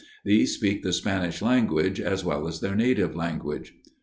These speak the Spanish language as well as their native tongue."